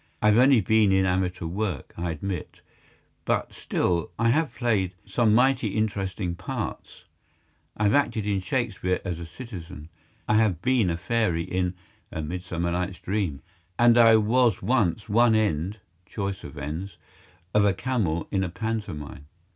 I have only been in amateur work, I admit, but still I have played some mighty interesting parts. I have acted in Shakespeare as a citizen, I have been a fairy in "A Midsummer Night's Dream," and I was once one end (choice of ends) of a camel in a pantomime.